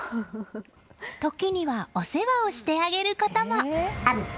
時にはお世話をしてあげることも。